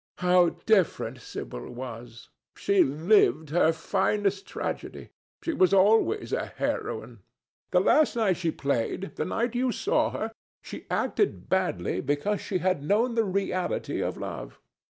How different Sibyl was! She lived her finest tragedy. She was always a heroine. The last night she played—the night you saw her—she acted badly because she had known the reality of love.